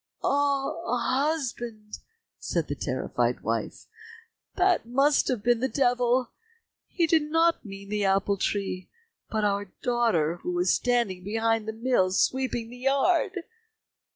"Ah, husband," said the terrified wife, "that must have been the devil! He did not mean the apple tree, but our daughter, who was standing behind the mill sweeping the yard."